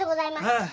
はい。